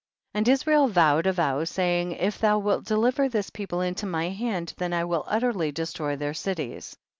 7. And Israel vowed a vow, say ing, if thou wilt deliver this people into my hand, then I will utterly de stroy their cities.